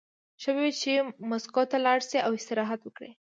ښه به وي چې مسکو ته لاړ شي او استراحت وکړي